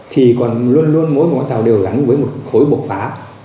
thì còn luôn luôn mỗi một món tàu đều gắn với một khối bộ phá